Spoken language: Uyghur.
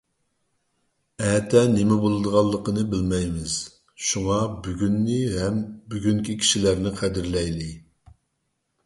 ئەتە نېمە بولىدىغانلىقىنى بىلمەيمىز. شۇڭا بۈگۈننى ھەم بۈگۈنكى كىشىلەرنى قەدىرلەيلى!